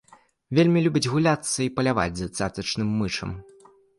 Вельмі любіць гуляцца і паляваць за цацачным мышам.